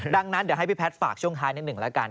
ดังนั้นเดี๋ยวให้พี่แพทย์ฝากช่วงท้ายนิดหนึ่งแล้วกัน